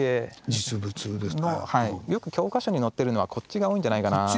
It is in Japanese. よく教科書に載ってるのはこっちが多いんじゃないかなと。